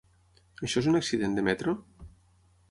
Això és un accident de metro?